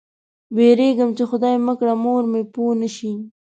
وېرېدم چې خدای مه کړه مور مې پوه نه شي.